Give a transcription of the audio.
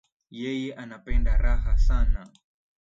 Yeye anapenda raha sana